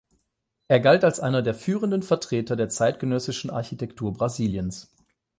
Er galt als einer der führenden Vertreter der zeitgenössischen Architektur Brasiliens.